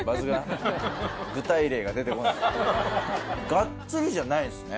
がっつりじゃないんですね